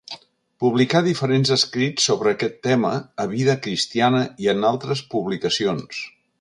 Publicà diferents escrits sobre aquest tema a Vida Cristiana i en altres publicacions.